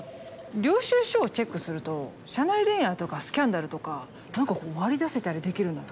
領収書をチェックすると社内恋愛とかスキャンダルとか何か割り出せたりできるのよ。